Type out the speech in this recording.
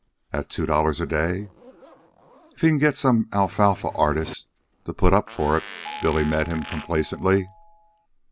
"At two dollars a day?" "If he can get some alfalfa artist to put up for it," Billy met him complacently.